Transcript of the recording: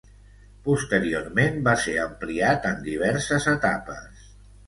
Posteriorment va ser ampliat en diverses etapes.